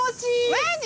マジ？